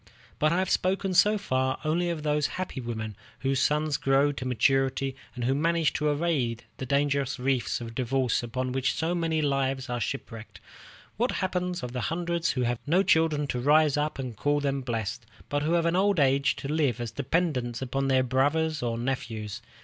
But I have spoken so far only of those happy women whose sons grow to maturity, and who manage to evade the dangerous reefs of divorce upon which so many lives are shipwrecked. What becomes of the hundreds who have no children to rise up and call them blessed, but who have in old age to live as dependents upon their brothers or nephews?